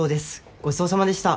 ごちそうさまでした。